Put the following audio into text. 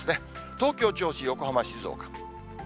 東京、銚子、横浜、静岡。